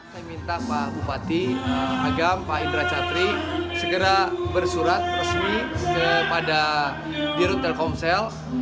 saya minta pak bupati agar pak indra catri segera bersurat resmi kepada dirut telkomsel